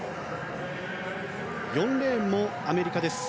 ４レーンもアメリカです。